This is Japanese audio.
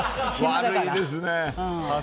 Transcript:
悪いですね。